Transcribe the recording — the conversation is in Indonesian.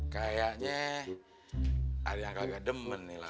kayaknya ada yang agak demen nih lah